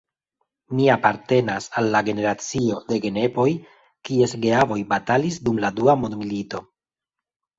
Mi apartenas al la generacio de genepoj, kies geavoj batalis dum la dua mondmilito.